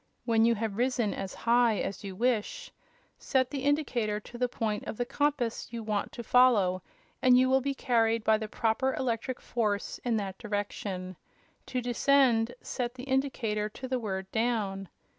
When you have risen as high as you wish, set the indicator to the point of the compass you want to follow and you will be carried by the proper electric force in that direction. To descend, set the indicator to the word 'down.'